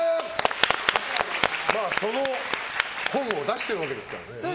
その本を出してるわけですから。